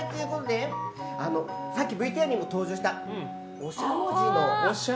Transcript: さっきＶＴＲにも登場したおしゃもじ。